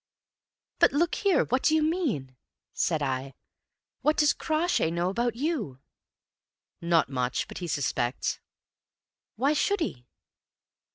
"But look here, what do you mean?" said I. "What does Crawshay know about you?" "Not much; but he suspects." "Why should he?"